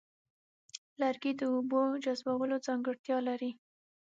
لرګي د اوبو جذبولو ځانګړتیا لري.